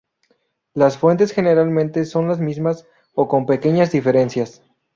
Las fuentes generalmente son las mismas, o con pequeñas diferencias.